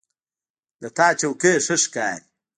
د تا چوکۍ ښه ښکاري